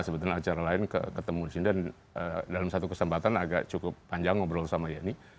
sebetulnya acara lain ketemu di sini dan dalam satu kesempatan agak cukup panjang ngobrol sama yeni